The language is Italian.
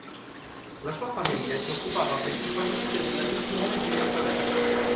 La sua famiglia si occupava principalmente della gestione di una taverna.